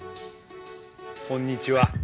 こんにちは。